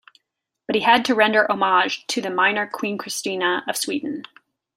But he had to render homage to the minor Queen Christina of Sweden.